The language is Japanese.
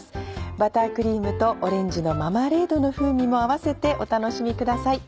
バタークリームとオレンジのママレードの風味も併せてお楽しみください。